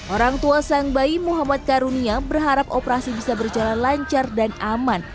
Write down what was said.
orang tua sang bayi muhammad karunia berharap operasi bisa berjalan lancar dan aman